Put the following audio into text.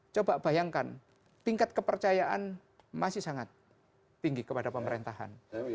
coba bayangkan tingkat kepercayaan masih sangat tinggi kepada pemerintahan